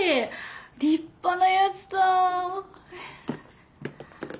立派なやつだ。